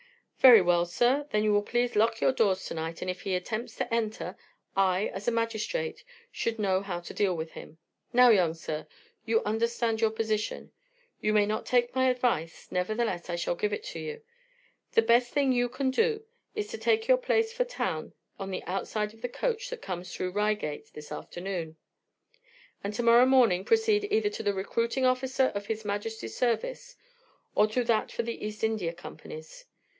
"Very well, sir, then you will please lock your doors tonight, and if he attempts to enter, I, as a magistrate, should know how to deal with him. Now, young sir, you understand your position; you may not take my advice, nevertheless, I shall give it you. The best thing you can do is to take your place for town on the outside of the coach that comes through Reigate this afternoon, and tomorrow morning proceed either to the recruiting officer for His Majesty's service, or to that for the East India Company's.